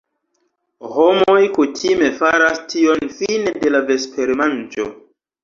Homoj kutime faras tion fine de la vespermanĝo.